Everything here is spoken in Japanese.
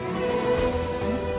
えっ？